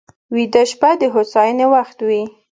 ویده شپه د هوساینې وخت وي